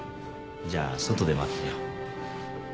じゃあ外で待ってるよ。